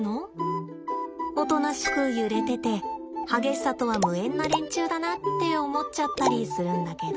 おとなしく揺れてて激しさとは無縁な連中だなって思っちゃったりするんだけど。